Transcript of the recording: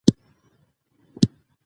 شننه به بشپړه شي.